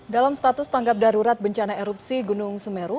dalam status tanggap darurat bencana erupsi gunung semeru